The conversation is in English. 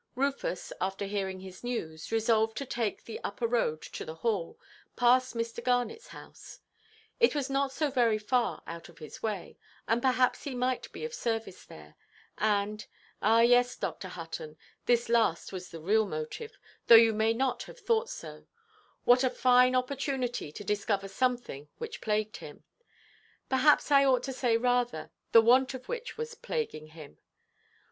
Rufus, after hearing his news, resolved to take the upper road to the Hall, past Mr. Garnetʼs house; it was not so very far out of his way, and perhaps he might be of service there, and—ah, yes, Dr. Hutton, this last was the real motive, though you may not have thought so—what a fine opportunity to discover something which plagued him! Perhaps I ought to say rather, the want of which was plaguing him.